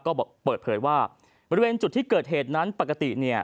ก็เปิดเผยว่าบริเวณจุดที่เกิดเหตุนั้นปกติเนี่ย